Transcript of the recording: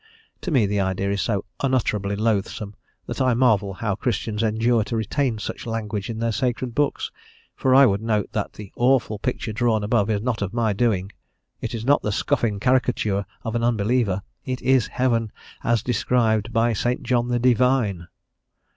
To me the idea is so unutterably loathsome that I marvel how Christians endure to retain such language in their sacred books, for I would note that the awful picture drawn above is not of my doing; it is not the scoffing caricature of an unbeliever, it is heaven as described by St. John the divine.